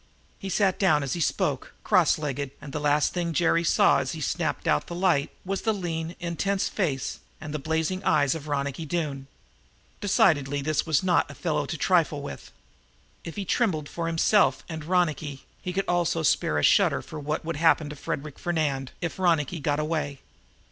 He sat down, as he spoke, cross legged, and the last thing Jerry saw, as he snapped out the light, was the lean, intense face and the blazing eyes of Ronicky Doone. Decidedly this was not a fellow to trifle with. If he trembled for himself and Ronicky, he could also spare a shudder for what would happen to Frederic Fernand, if Ronicky got away.